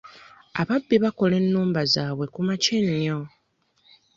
Ababbi bakola ennumba zaabwe kumakya ennyo.